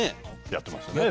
やってましたね。